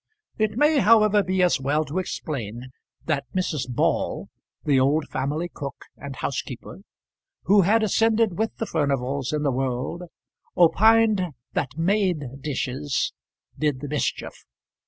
It may, however, be as well to explain that Mrs. Ball, the old family cook and housekeeper, who had ascended with the Furnivals in the world, opined that made dishes did the mischief.